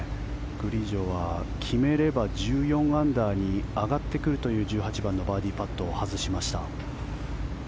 グリージョは決めれば１４アンダーに上がってくるという１８番のバーディーパットを外しました。